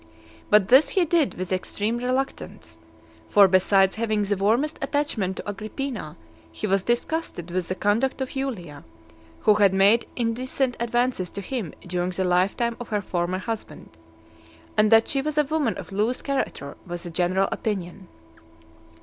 But this he did with extreme reluctance; for, besides having the warmest attachment to Agrippina, he was disgusted with the conduct of Julia, who had made indecent advances to him during the lifetime of her former husband; and that she was a woman of loose character, was the general opinion.